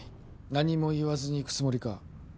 何も言わずに行くつもりか？